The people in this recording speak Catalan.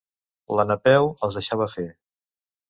La Napeu els deixava fer.